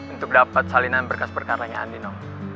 untuk dapat salinan berkas perkaranya andino